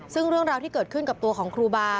ซึ่งเรื่องราวที่เกิดขึ้นกับตัวของครูบา